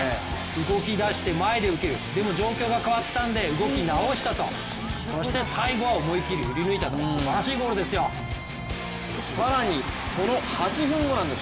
動き出して、前で受けるでも状況が変わったんで動き直したと、そして最後は思い切り振り抜いたと更にその８分後なんです